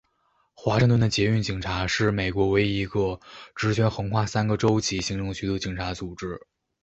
华盛顿的捷运警察是美国唯一一个职权横跨三个州级行政区的警察组织。